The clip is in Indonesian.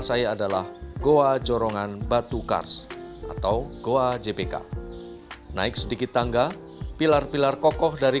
saya adalah goa jorongan batu kars atau goa jpk naik sedikit tangga pilar pilar kokoh dari